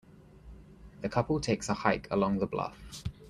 The couple takes a hike along the bluff.